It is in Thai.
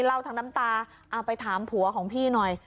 เล่าทั้งน้ำตาเอาไปถามผัวของพี่หน่อย